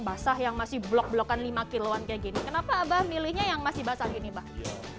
basah yang masih blok blok kan lima kiloan kayak gini kenapa abah milihnya yang masih basah ini bahwa